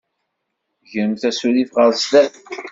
Gremt asurif ɣer sdat.